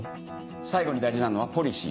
最後に大事なのはポリシー。